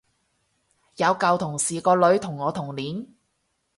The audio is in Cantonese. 有舊同事個女同我同年